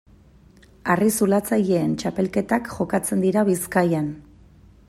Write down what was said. Harri-zulatzaileen txapelketak jokatzen dira Bizkaian.